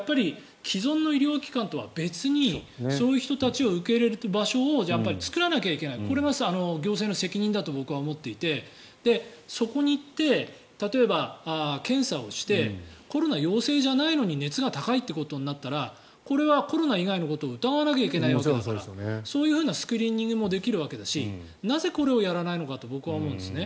既存の医療機関とは別にそういう人たちを受け入れる場所をやっぱり作らなきゃいけないこれが行政の責任だと僕は思っていてそこに行って、例えば検査をしてコロナ陽性じゃないのに熱が高いということになったらこれはコロナ以外のことを疑わなきゃいけないからそういうスクリーニングもできるわけだしなぜ、これをやらないのかと僕は思うんですよね。